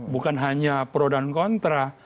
bukan hanya pro dan kontra